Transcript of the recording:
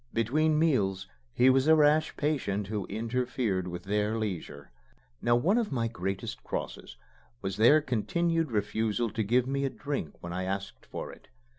Between meals he was a rash patient who interfered with their leisure. Now one of my greatest crosses was their continued refusal to give me a drink when I asked for it.